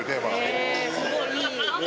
えー、すごいいい。